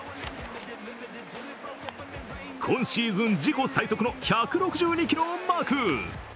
今シーズン自己最速の１６２キロをマーク。